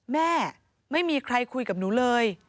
แม่ไม่มีใครคุยกับหนูเลย